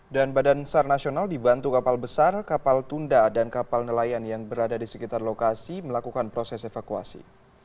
dan badan sar nasional dibantu kapal besar kapal tunda dan kapal nelayan yang berada di sekitar lokasi melakukan proses evakuasi